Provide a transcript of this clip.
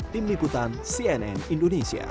tim liputan cnn indonesia